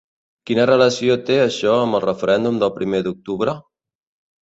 Quina relació té això amb el referèndum del primer d’octubre?